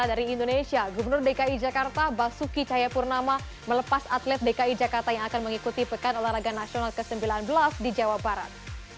dari indonesia gubernur dki jakarta basuki cahayapurnama melepas atlet dki jakarta yang akan mengikuti pekan olahraga nasional ke sembilan belas di jawa barat